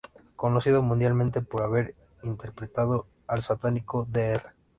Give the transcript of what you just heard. Conocido mundialmente por haber interpretado al Satánico Dr.